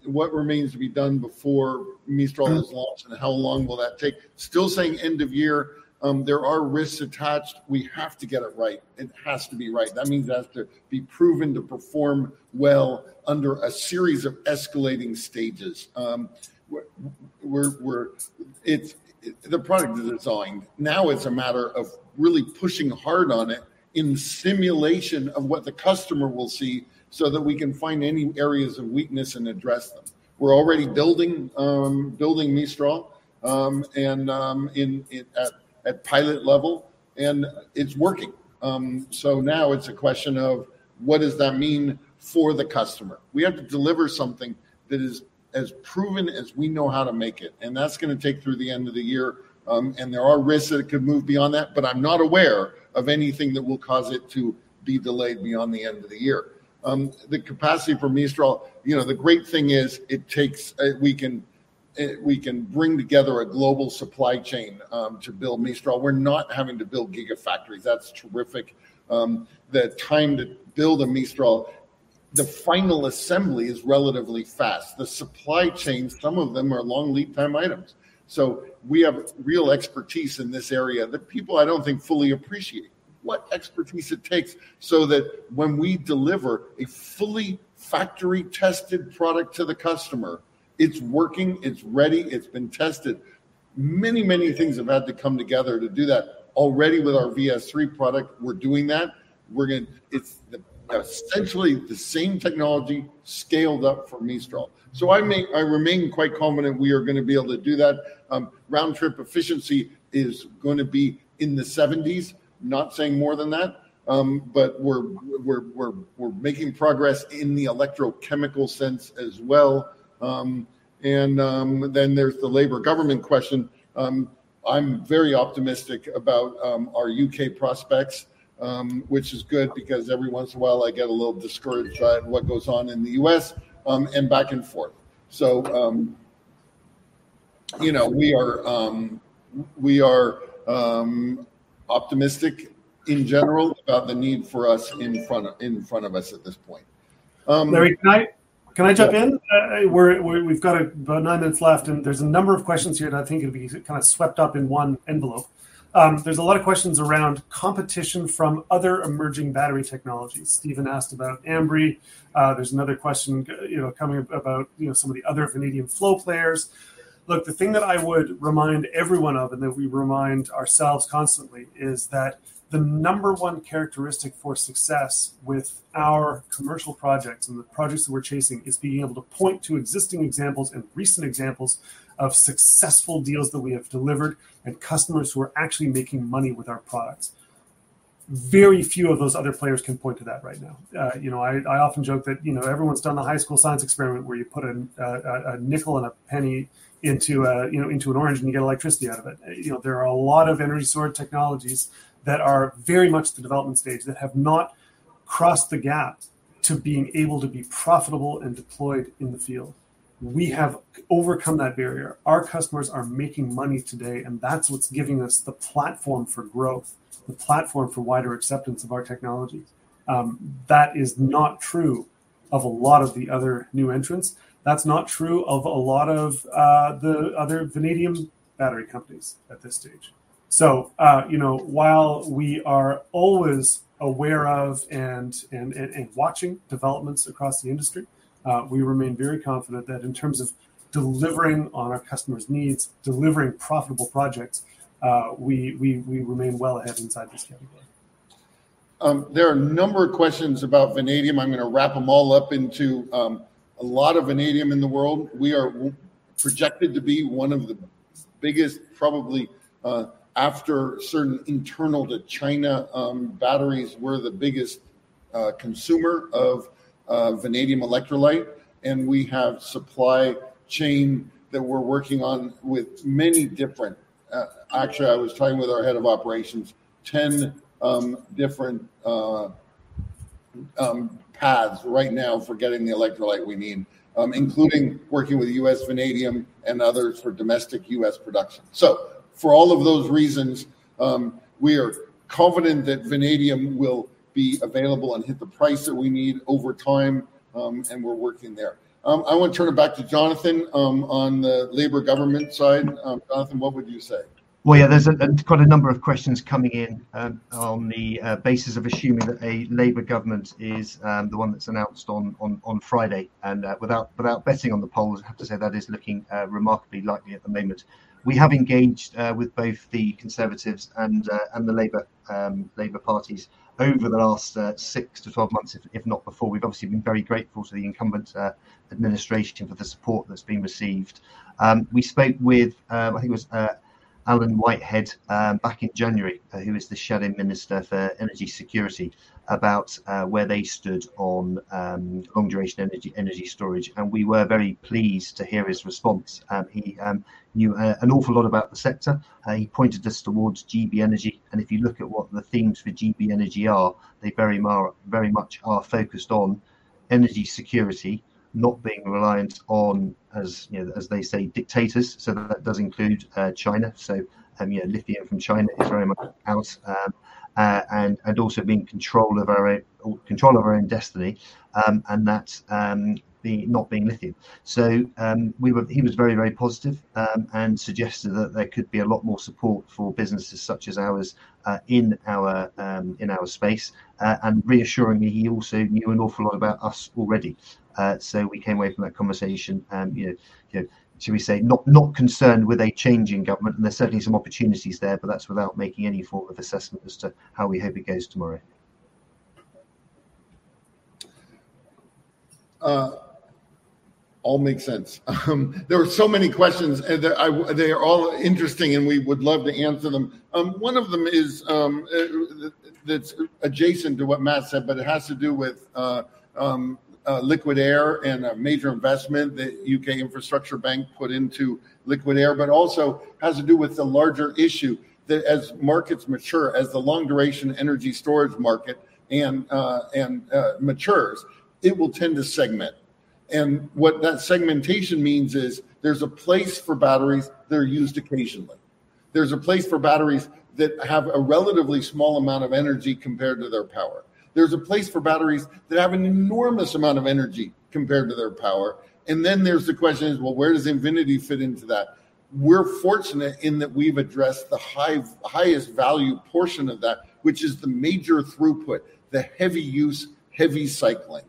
Speaker 2: What remains to be done before Mistral is launched, how long will that take? Still saying end of year. There are risks attached. We have to get it right. It has to be right. That means it has to be proven to perform well under a series of escalating stages. The product is designed. Now it's a matter of really pushing hard on it in simulation of what the customer will see so that we can find any areas of weakness and address them. We're already building Mistral at pilot level, and it's working. Now it's a question of what does that mean for the customer? We have to deliver something that is as proven as we know how to make it, that's going to take through the end of the year. There are risks that it could move beyond that, but I'm not aware of anything that will cause it to be delayed beyond the end of the year. The capacity for Mistral, the great thing is we can bring together a global supply chain to build Mistral. We're not having to build gigafactories. That's terrific. The time to build a Mistral, the final assembly is relatively fast. The supply chains, some of them are long lead time items. We have real expertise in this area that people, I don't think, fully appreciate what expertise it takes so that when we deliver a fully factory-tested product to the customer, it's working, it's ready, it's been tested. Many things have had to come together to do that. Already with our VS3 product, we're doing that. It's essentially the same technology scaled up for Mistral. I remain quite confident we are going to be able to do that. Round trip efficiency is going to be in the 70s. Not saying more than that, but we're making progress in the electrochemical sense as well. Then there's the labor government question. I'm very optimistic about our U.K. prospects, which is good because every once in a while I get a little discouraged by what goes on in the U.S., and back and forth. We are optimistic in general about the need for us in front of us at this point.
Speaker 4: Larry, can I jump in? We've got about nine minutes left, and there's a number of questions here that I think can be kind of swept up in one envelope. There's a lot of questions around competition from other emerging battery technologies. Steven asked about Ambri. There's another question coming about some of the other vanadium flow players. Look, the thing that I would remind everyone of, and that we remind ourselves constantly, is that the number 1 characteristic for success with our commercial projects and the projects that we're chasing is being able to point to existing examples and recent examples of successful deals that we have delivered and customers who are actually making money with our products. Very few of those other players can point to that right now. I often joke that everyone's done the high school science experiment where you put a nickel and a penny into an orange, and you get electricity out of it. There are a lot of energy storage technologies that are very much the development stage that have not crossed the gap to being able to be profitable and deployed in the field. We have overcome that barrier. Our customers are making money today, and that's what's giving us the platform for growth, the platform for wider acceptance of our technologies. That is not true of a lot of the other new entrants. That's not true of a lot of the other vanadium battery companies at this stage. While we are always aware of and watching developments across the industry, we remain very confident that in terms of delivering on our customers' needs, delivering profitable projects, we remain well ahead inside this category.
Speaker 2: There are a number of questions about vanadium. I'm going to wrap them all up into a lot of vanadium in the world. We are projected to be one of the biggest, probably after certain internal to China batteries, we're the biggest consumer of vanadium electrolyte, and we have supply chain that we're working on with many different-- Actually, I was talking with our head of operations, 10 different paths right now for getting the electrolyte we need, including working with U.S. Vanadium and others for domestic U.S. production. For all of those reasons, we are confident that vanadium will be available and hit the price that we need over time, and we're working there. I want to turn it back to Jonathan on the Labor government side. Jonathan, what would you say?
Speaker 3: Well, there's quite a number of questions coming in on the basis of assuming that a Labor government is the one that's announced on Friday. Without betting on the polls, I have to say that is looking remarkably likely at the moment. We have engaged with both the Conservatives and the Labor parties over the last six to 12 months, if not before. We've obviously been very grateful to the incumbent administration for the support that's been received. We spoke with, I think it was Alan Whitehead back in January, who is the Shadow Minister for Energy Security, about where they stood on long-duration energy storage, and we were very pleased to hear his response. He knew an awful lot about the sector, and he pointed us towards GB Energy. If you look at what the themes for GB Energy are, they very much are focused on energy security, not being reliant on, as they say, dictators. That does include China. Lithium from China is very much out. Also being in control of our own destiny, and that's not being lithium. He was very positive, and suggested that there could be a lot more support for businesses such as ours in our space. Reassuringly, he also knew an awful lot about us already. We came away from that conversation, should we say, not concerned with a change in government and there's certainly some opportunities there, but that's without making any sort of assessment as to how we hope it goes tomorrow.
Speaker 2: All makes sense. There were so many questions, and they are all interesting, and we would love to answer them. One of them, that's adjacent to what Matt said, but it has to do with liquid air and a major investment that UK Infrastructure Bank put into liquid air, but also has to do with the larger issue that as markets mature, as the long-duration energy storage market matures, it will tend to segment. What that segmentation means is there's a place for batteries that are used occasionally. There's a place for batteries that have a relatively small amount of energy compared to their power. There's a place for batteries that have an enormous amount of energy compared to their power. Then there's the question is, well, where does Invinity fit into that? We're fortunate in that we've addressed the highest value portion of that, which is the major throughput, the heavy use, heavy cycling.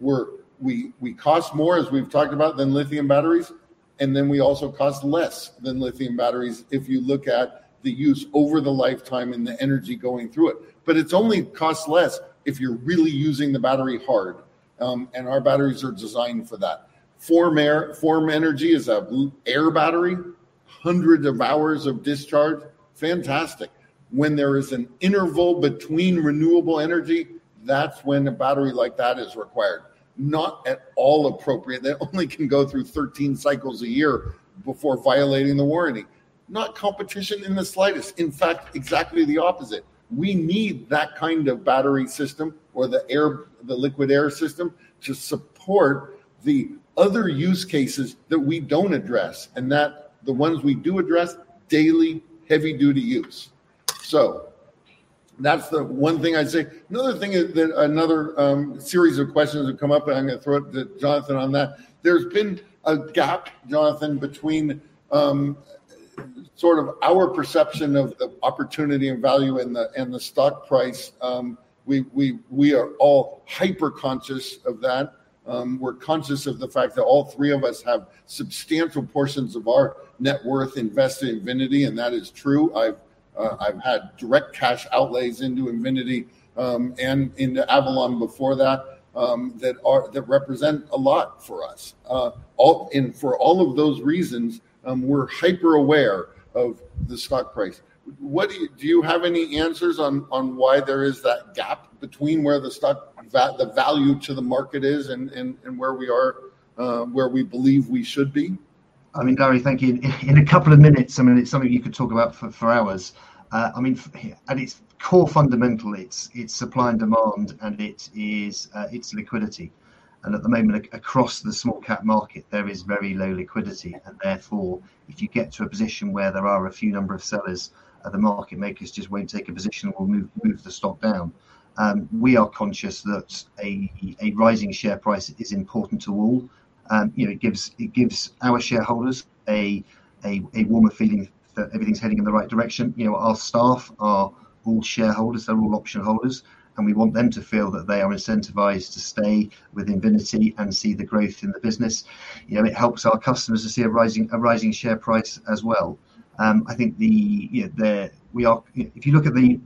Speaker 2: We cost more, as we've talked about, than lithium batteries, and then we also cost less than lithium batteries if you look at the use over the lifetime and the energy going through it. It only costs less if you're really using the battery hard, and our batteries are designed for that. Form Energy is an iron-air battery, hundreds of hours of discharge. Fantastic. When there is an interval between renewable energy, that's when a battery like that is required. Not at all appropriate. They only can go through 13 cycles a year before violating the warranty. Not competition in the slightest. In fact, exactly the opposite. We need that kind of battery system or the liquid air system to support the other use cases that we don't address, and that the ones we do address, daily heavy-duty use. That's the one thing I'd say. Another thing is that another series of questions have come up, and I'm going to throw it to Jonathan on that. There's been a gap, Jonathan, between our perception of the opportunity and value and the stock price. We are all hyper-conscious of that. We're conscious of the fact that all three of us have substantial portions of our net worth invested in Invinity, and that is true. I've had direct cash outlays into Invinity, and into Avalon Battery before that represent a lot for us. For all of those reasons, we're hyper-aware of the stock price. Do you have any answers on why there is that gap between where the value to the market is and where we believe we should be?
Speaker 3: I mean, Larry, thank you. In a couple of minutes, it's something you could talk about for hours. I mean, at its core fundamental, it's supply and demand, and it's liquidity. At the moment, across the small cap market, there is very low liquidity and therefore, if you get to a position where there are a few number of sellers, the market makers just won't take a position or move the stock down. We are conscious that a rising share price is important to all. It gives our shareholders a warmer feeling that everything's heading in the right direction. Our staff are all shareholders, they're all option holders, and we want them to feel that they are incentivized to stay with Invinity and see the growth in the business. It helps our customers to see a rising share price as well. If you look at the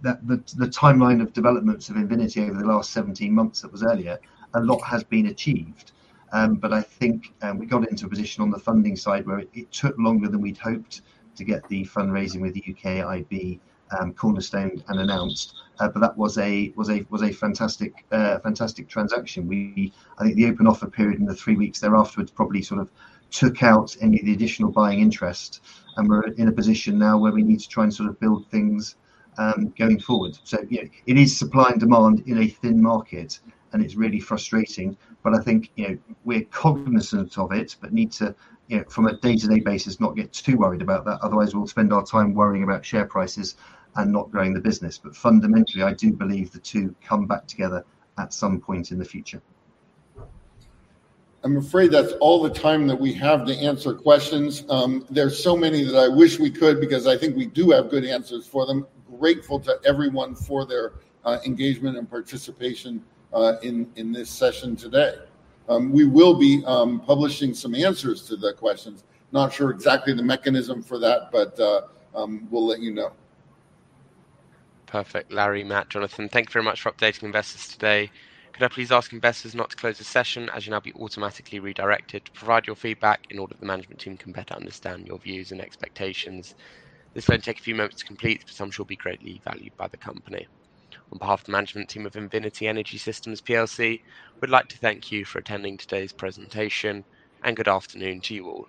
Speaker 3: timeline of developments of Invinity over the last 17 months that was earlier, a lot has been achieved. I think we got into a position on the funding side where it took longer than we'd hoped to get the fundraising with the UKIB cornerstone and announced. That was a fantastic transaction. I think the open offer period and the three weeks thereafter, it probably sort of took out any of the additional buying interest, and we're in a position now where we need to try and sort of build things going forward. Yeah, it is supply and demand in a thin market and it's really frustrating, but I think we're cognizant of it, but need to, from a day-to-day basis, not get too worried about that. Otherwise, we'll spend our time worrying about share prices and not growing the business. Fundamentally, I do believe the two come back together at some point in the future.
Speaker 2: I'm afraid that's all the time that we have to answer questions. There's so many that I wish we could because I think we do have good answers for them. Grateful to everyone for their engagement and participation in this session today. We will be publishing some answers to the questions. Not sure exactly the mechanism for that, but we'll let you know.
Speaker 1: Perfect. Larry, Matt, Jonathan, thank you very much for updating investors today. Could I please ask investors not to close the session as you'll now be automatically redirected to provide your feedback in order the management team can better understand your views and expectations. This will only take a few moments to complete, but I'm sure will be greatly valued by the company. On behalf of the management team of Invinity Energy Systems PLC, we'd like to thank you for attending today's presentation and good afternoon to you all